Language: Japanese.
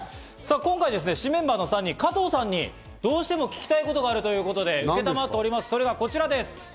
今回、新メンバーの３人、加藤さんにどうしても聞きたいことがあるということで、それがこちらです！